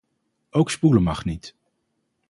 Ook spoelen mag niet.